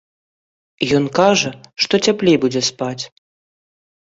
Ён кажа, што цяплей будзе спаць.